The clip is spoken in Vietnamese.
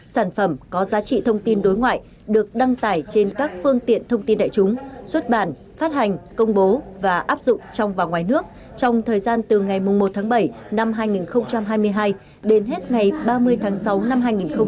sản phẩm có giá trị thông tin đối ngoại được đăng tải trên các phương tiện thông tin đại chúng xuất bản phát hành công bố và áp dụng trong và ngoài nước trong thời gian từ ngày một tháng bảy năm hai nghìn hai mươi hai đến hết ngày ba mươi tháng sáu năm hai nghìn hai mươi